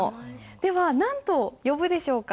では何と呼ぶでしょうか？